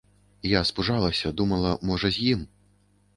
Я спужалася, думала, можа, з ім.